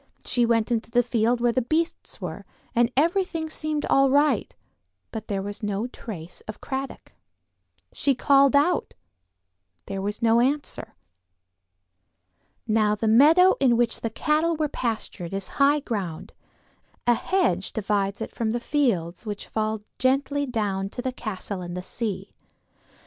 She went into the field where the beasts were, and everything seemed all right, but there was no trace of Cradock. She called out; there was no answer. Now the meadow in which the cattle were pastured is high ground; a hedge divides it from the fields which fall gently down to the castle and the sea.